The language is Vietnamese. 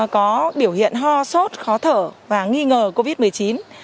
có biểu hiện ho sốt khó thở và nghi ngờ covid một mươi chín